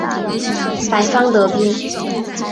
白方得兵。